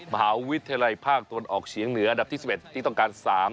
มหาวิทยาลัยภาคต้นออกเฉียงเหนือดับที่สิบเอ็ดติดต้องการสาม